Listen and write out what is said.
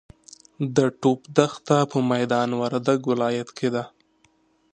د ټوپ دښته په میدا وردګ ولایت کې ده.